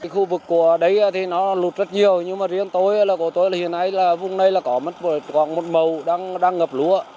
khu vực của đây thì nó lụt rất nhiều nhưng mà riêng tôi là của tôi là hiện nay là vùng này là còn một màu đang ngập lúa